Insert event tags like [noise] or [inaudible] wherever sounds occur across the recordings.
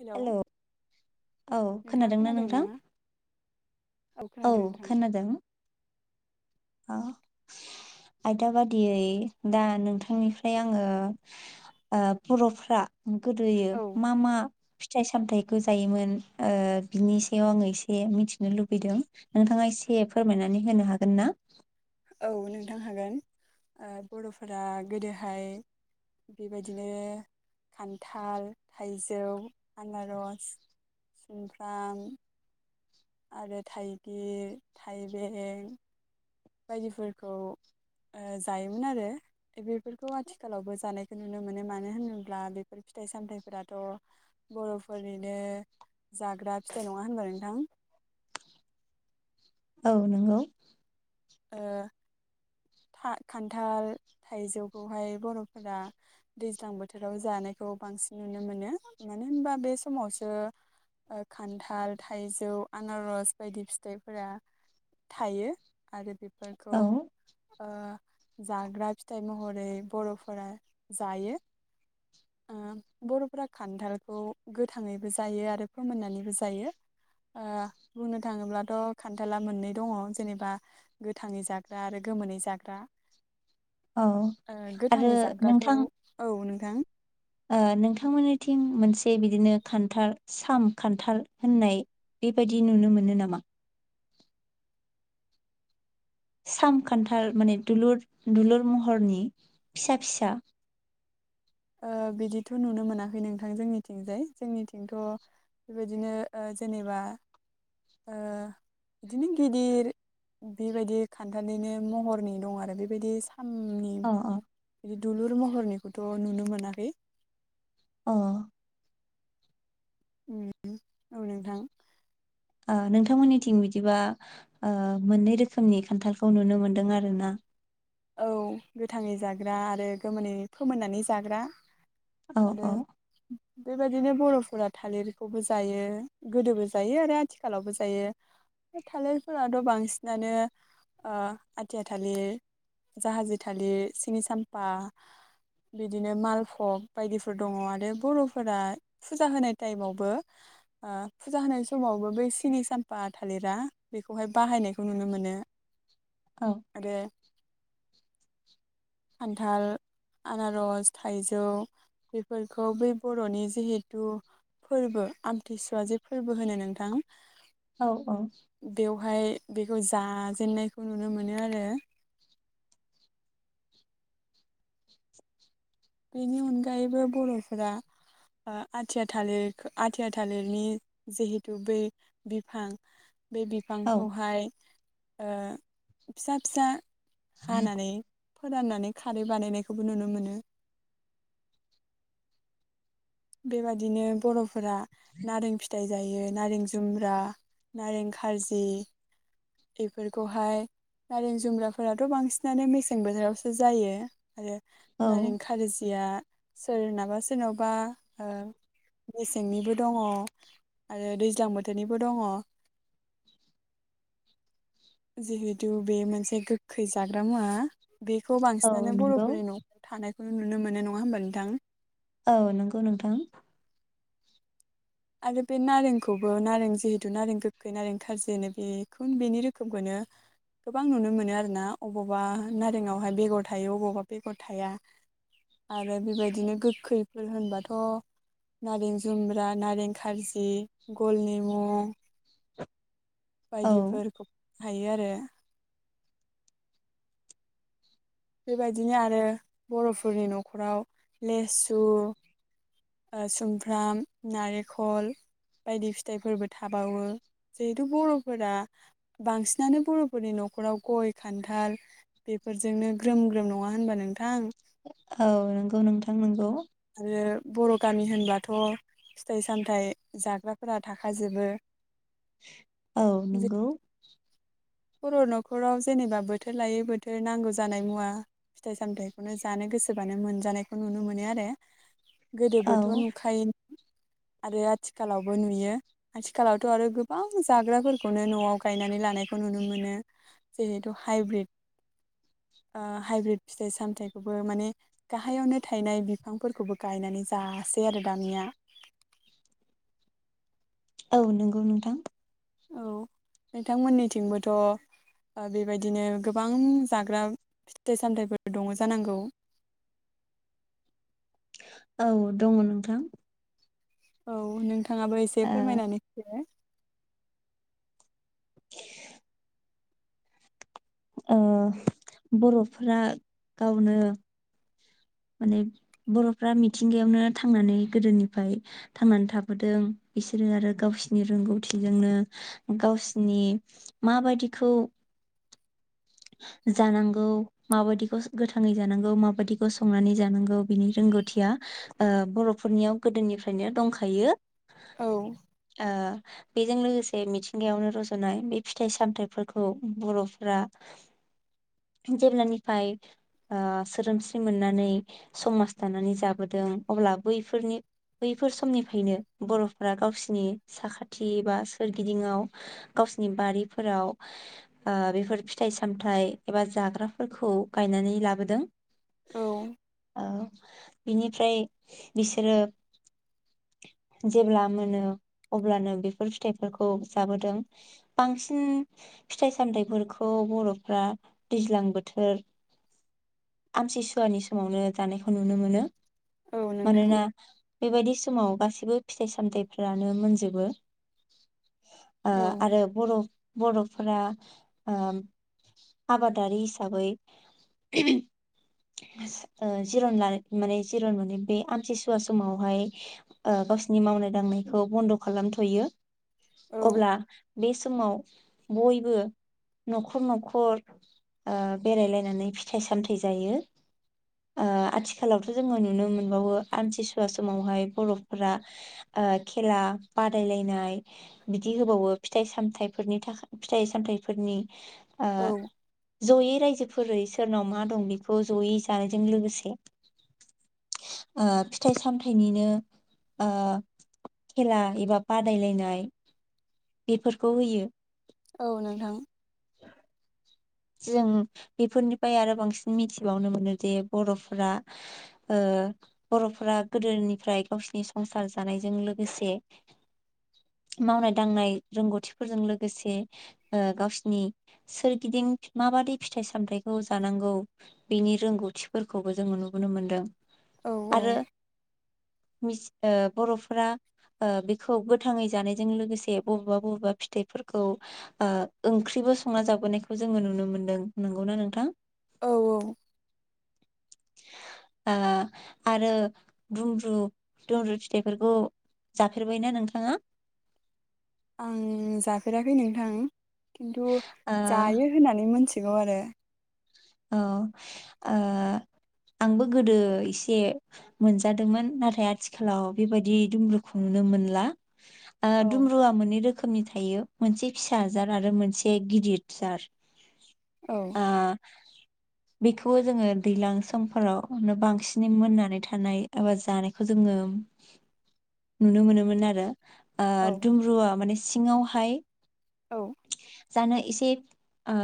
Hello hello औ नोंथाङा खोनादोंना खोनादों ना? नोंथां? औ खोनादों नोंथां। खोनादों। ओं आयदा बादियै दा नोंथांनिफ्राय आङो ओ बर'फ्रा गोदोयो औ मा मा फिथाइ सामथायाइखौ जायोमोन ओ बिनि सायाव आङो एसे मिथिनो लुबैदों नोंथाङा एसे फोरमायनानै होनो हागोन ना? औ नोंथां हागोन ओ बरफोरा गोदोहाय बेबायदिनो खान्थाल थाइजौ आनारस सुमफ्राम आरो थाइगिर थाइबें बायदिफोरखौ ओ जायोमोन आरो बेफोरखौ आथिखालावबो जानायखौ नुनो मोनो मानो होनोब्ला बेफोर फिथाइ सामथाइफोराथ बरफोरनिनो जाग्रा फिथाइ नङा होनबा नोंथां औ नोंगौ ओ खान्थाल थाइजौखौहाय बरफोरा दैज्लां बोथोराव जानायखौ बांसिन नुनो मोनो मानो होनबा बे समावसो खान्थाल ओ थाइजौ आनारस बायदि फिथाइफोरा थायो आरो बे औ फोरखौ ओ जाग्रा फिथाइ महरै बरफोरा जायो ओ बरफोरा खान्थालखौ गोथाङैबो जायो आरो फोमोननानैबो जायो ओ बुंनो थाङोब्लाथ खान्थाला मोननै दङ जेनेबा गोथाङै जाग्रा आरो गोमोनै जायो जाग्रा औ ओ आरो गोथाङै जाग्राखौ नोंथां औ नों ओं ओ नोंथांमोननिथिं मोनसे बिदिनो खान्थाल साम खान्थाल होननाय बेबायादि नुनो मोनो नामा? सामखान्थाल माने दुलुर दुलुर महरनि फिसा फिसा ओ बिदिथ नुनो मोनाखै नोंथां जोंनिथिंजाय जोंनिथिंथ बेबायदिनो ओ जेनेबा ओ बिदिनो गिदिर बेबायदि खान्थालनो महरनि दं आरो बेबायदि सामनि अ अ बिदि दुलुर महरनिखौथ नुनो मोनाखै अ ओम औ नोंथां ओ नोंथांमोननिथिं बिदिबा ओ मोननै रोखोमनि खान्थालखौ नुनो मोनदों आरो ना औ गोथाङै जाग्रा आरो गोमोनै फोमोननानै जाग्रा औ आरो औ बेबायदिनो बरफोरा थालिरखौबो जायो गोदोबो जायो आरो आथिखालावबो जायो थालिरफोराथ बांसिनानो ओ आथिया थालिर जाहाजि थालिर सिनि साम्फा बिदिनो मालभग बायदिफोर दङ आरो बरफोरा फुजा होनाय टाइमावबो ओ फुजा होनाय समावबो बै सिनि साम्फा थालिरा बेखौहाय बाहायनायखौ नुनो मोनो औ आरोे खान्थाल आनारस थाइजौ बेफोरखौ बै बरनि जिहेथु फोरबो आमथिसुवा जे फोरबो होनो नोंथां औ औ बेवहाय बेखौ जाजेननायखौ नुनो मोनो आरो बेनि अनगायैबो बरफोरा आथिया थालिर आथिया थालिरनि जिहेथु बै बिफां बे औ बिफांखौहाय ओ फिसा फिसा हानानै फोराननानै खारै बानायनायखौबो नुनो मोनो बेबादिनो बरफोरा नारें फिथाइ जायो नारें जुम्ब्रा नारें खारजि बेफोरखौहाय नारें जुम्ब्राफोराथ बांसिनानो मेसें बोथोरावसो जायो आरो औ नारें खारोजिया सोरनाबा सोरनावबा ओ मेसेंनिबो दङ आरो दैज्लां बोथोरनिबो दङ जिहेथु बे मोनसे गोखै जाग्रा मुवा बेखौ औ बांसिनानो नंगौ बर'फोरनि नआव थानाय ओम नुनो मोनो नङा होमबा नोंथां। औव नंगौ नोंथां। आरो बे नारेंखौबो नारें जिहेथु नारें गोखै नारें खारजि बेखौ बेनि रोखोमखौनो गोबां नुनो मोनो आरोना अबावबा नारेंआवहाय बेगर थायो अबावबा बेगर थाया आरो बेबायदिनो गोखैफोर होनबाथ' नारें जुम्ब्रा नारें खारजि गल नेमु औ बायदिफोरखौ हायो आरो बेबायदिनो आरो बर'फोरनि न'खराव लेसु ओ सुमफ्राम नारेंखल बायदि फिथाइफोरबो थाबावो जिहेथु बर'फोरा बांसिनानो बर'फोरनि न'खराव गय खान्थाल बेफोरजोंनो ग्रोम ग्रोम नङा होनबा नोंथां। औव नंगौ नोंथां नंगौ आरो बर' गामि होनब्लाथ' फिथाइ सामथाइ जाग्राफोरा थाखाजोबो। औ जे नंगौ बर' न'खराव जेनेबा बोथोर लायै बोथोर नांगौ जानाय मुवा फिथाइ सामथाइखौनो जानो गोसोबानो मोनजानायखौ नुनो मोनो आरो औ गोदोबोथ' नुखायो। आरो आथिखालावबो नुयो आथिखालावथ' आरो गोबां जाग्राफोरखौनो न'आव गायनानै लानायखौ नुनो मोनो जिहेथु हाइब्रिद ओ हाइब्रिद फिथाइ सामथाइखौबो माने गाहायावनो थायनाय बिफांफोरखौबो गायनानै जासै आरो दानिया। औव नंगौ नोंथां। औव नोंथांमोननिथिंबोथ' ओ बेबायदिनो गोबां जाग्रा फिथाइ सामथाइफोर दङ जानांगौ। औव दङ नोंथां। औव नों नोंथाङाबो एसे ओ फोरमायनानै होदो। [inaudible] ओ बर'फ्रा गावनो माने बर'फ्रा मिथिंगायावनो थांनानै गोदोनिफ्राय थांनानै थाबोदों बिसोरो आरो गावसिनि रोंगौथिजोंनो गावसिनि माबायदिखौ जानांगौ माबायदिखौ गोथाङै जानांगौ माबायदिखौ संनानै जानांगौ बिनि रोंगौथिया ओ बर'फोरनियाव ओ गोदोनिफ्रायनो दंखायो। औ ओ बेजों लोगोसे मिथिंगायावनो रज'नाय बे फिथाइ सामथाइफोरखौ बर'फ्रा जेब्लानिफ्राय ओ सोदोमस्रि मोननानै समाज दानानै जाबोदों अब्ला बैफोरनि बैफोर समनिफ्रायनो बर'फोरा गावसिनि साखाथि बा सोरगिदिंआव गावसिनि बारिफोराव ओ बेफोर फिथाइ सामथाइ एबा जाग्राफोरखौ गायनानै लाबोदों। औ बिनिफ्राय बिसोरो जेब्ला मोनो अब्लानो बेफोर फिथाइफोरखौ जाबोदों बांसिन फिथाइ सामथाइफोरखौ खौ बर'फ्रा दैज्लां बोथोर आमथिसुवानि समावनो जानायखौ नुनो मोनो। औ नोंथां मानोना बेबायदि समाव गासैबो फिथाइ सामथायाइफ्रानो मोनजोबो। ओ औ आरो बर' बर'फोरा ओम आबादारि हिसाबै जिरन लानो माने जिरन मोनो बे आमथिसुवा समावहाय ओ गावसोरनि मावनाय दांनायखौ बन्द' खालामथ'यो औ अब्ला बे समाव बयबो न'खर न'खर ओ बेरायलायनानै फिथाइ सामथाइ जायो ओ आथिखालावथ' जोङो नुनो मोनबावो आमथिसुवा समावहाय बर'फोरा ओ खेला बादायलायनाय बिदि होबावो फिथाइ सामथफोरनि थाखाय फिथाइ सामथाइफोरनि ओ औ जयै रायजो फोरै सोरनाव मा दं बेखौ जयै जानायजों लोगोसे ओ फिथाइ सामथाइनिनो ओ खेला एबा बादायलायनाय बेफोरखौ होयो। औ नोंथां जों बेफोरनिफ्राय आरो बांसिन मिथिबावनो मोनो जे बर'फोरा ओ बर'फोरा गोदोनिफ्राय गावसिनि संसार जानायजों लोगोसे मावनाय दांनाय रोंगौथिफोरजों लोगोसे ओ गावसिनि सोरगिदिं माबादि फिथाइ सामथायाइखौ जानांगौ बिनि रोंगौथिफोरखौबो जोङो नुबोनो मोनदों औ औ आरो ओ बर'फोरा बेखौ ओ गोथाङै जानायजों लोगोसे बबेबा बबेबा फिथाइफोरखौ ओ ओंख्रिबो संना जाबोनायखौ जों जोङो नुनो मोनदों नंगौना नोंथां औ औ ओ आरो दुंब्रु-दुंब्रु फिथाय फोरखौ जाफेरबायना नोंथां आ आं जाफेराखै नोंथां खिन्थु ओ जायो होननानै मोनथि गौ आरो औ ओ आंबो गोदो इसे मोनजादोंमोन नाथाय आथिखालाव बेबादि दुंब्रुखौनो मोनला ओ औ दुम्रुआ मोनै रोखोमनि था थायो मोनसे फिसा जार आरो मोनसे गिदिद जार औ ओ बेखौबो जोङो दैज्लां समफोरावनो बांसिनै मोननानै थानाय एबा जानायखौ जोङो नुनो मोनोमोन आरो। आ दुम्रुआ माने सिङावहाय औ। जानो एसे ओ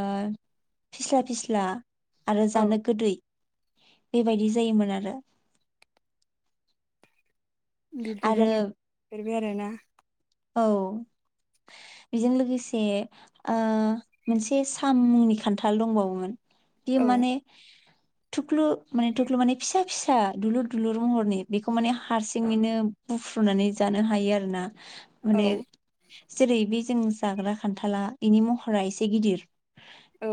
फिस्ला फिस्ला। आरो औ जानो गोदै। बेबायदि जायोमोन आरो बिबदिबा आरो [unintelligible] बे आरोना। औ बेजों लोगोसे ओ मोनसे साम मुंनि खान्थाल दंबावोमोन। बि औ माने थुख्लु माने थुख्लु माने फिसा फिसा दुलुर दुलुर महरनि बेखौ माने हारसिङैनो बुफ्रुनानै जानो हायो आरोना। औ माने जेरै बे जों जाग्रा खान्थाला बिनि महरा एसे गिदिर औ।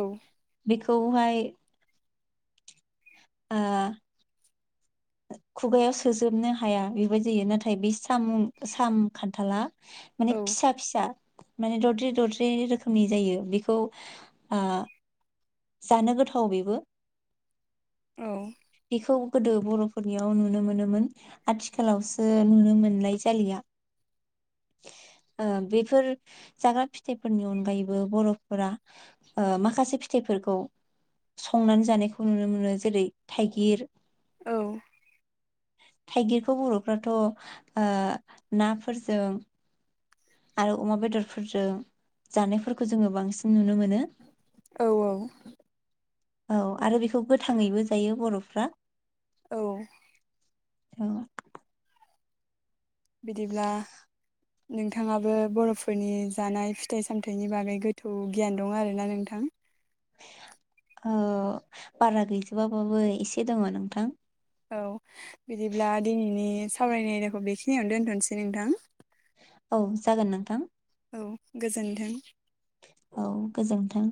बेखौहाय ओ खुगायाव सोजोबनो हाया बेबायदि जायो नाथाय बे सामु साम खान्थाला माने फिसा फिसा माने दद्रे दद्रे रोखोमनि जायो बेखौ ओ जानो गोथाव बेबो। औ। बेखौ गोदो बर'फोरनियाव नुनो मोनोमोन आथिखालावसो नुनो मोननाय जालिया। ओ बेफोर जाग्रा फिथाइफोरनि अनगायैबो बर'फोरा ओ माखासे फिथाइफोरखौ संनानै जानायखौ नुनो मोनो जेरै थायगिर, औ। थाइगिरखौ बर'फ्राथ' ओ नाफोरजों आरो अमा बेदरफोरजों जानायफोरखौ जोङो बांसिन नुनो मो औ औ। औ आरो बेखौ गोथाङैबो जायो बर'फ्रा औ। [inaudible] बिदिब्ला नोंथाङाबो बर'फोरनि जानाय फिथाइ सामथाइनि बागै गोथौ गियान दं आरोना नोंथां। ओ बारा गैजोबा बाबो एसे दङ' नोंथां। औ। बिदिब्ला दिनैनि सावरायनाय आयदाखौ बेखिनियावनो दोन्थनोसै नोंथां। औ जागोन नोंथां। औ गोजोन्थों। औ गोजोन्थों।